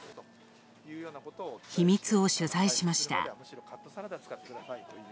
秘密を取材しました。